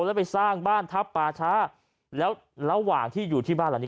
แล้วไปสร้างบ้านทัพปาช้าแล้วระหว่างที่อยู่ที่บ้านหลังนี้